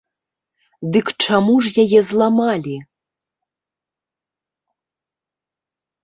Дык чаму ж яе зламалі?